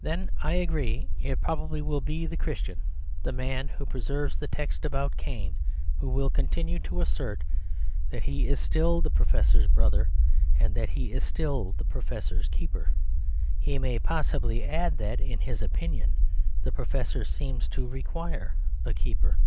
Then I agree it probably will be the Christian, the man who preserves the text about Cain, who will continue to assert that he is still the professor's brother; that he is still the professor's keeper. He may possibly add that, in his opinion, the professor seems to require a keeper.